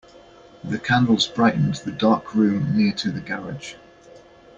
The candles brightened the dark room near to the garage.